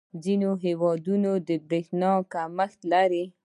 • ځینې هېوادونه د برېښنا کمښت لري.